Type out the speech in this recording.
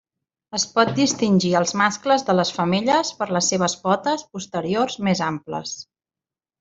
Es pot distingir als mascles de les femelles per les seves potes posteriors més amples.